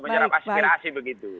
menyeram aspirasi begitu